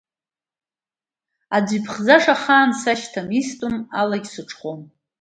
Аӡәы иԥхӡаша хаан сашьҭам, истәым алагьы сыҽхәом.